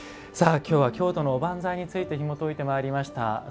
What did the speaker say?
今日は京都のおばんざいについてひもといていきました。